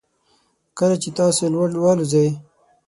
کله چې تاسو لوړ والوځئ